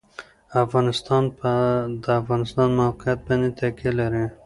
افغانستان په د افغانستان د موقعیت باندې تکیه لري.